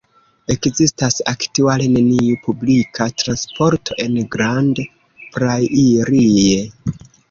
Ekzistas aktuale neniu publika transporto en Grand Prairie.